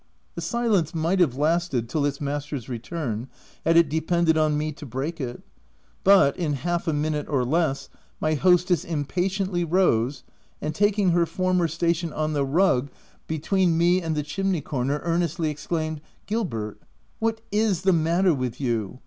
The silence might have lasted till its master's return had it depended on me to break it, but, in half a minute or less, my hostess impatiently rose, and taking her former station on the rug be p 3 322 THE TENANT tween me and the chimney corner, earnestly exclaimed — (C Gilbert, what is the matter with you